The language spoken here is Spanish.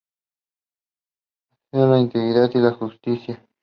Propicia la inequidad y la injusticia.